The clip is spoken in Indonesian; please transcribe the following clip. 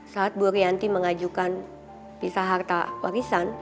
saat bu rianti mengajukan pisah harta warisan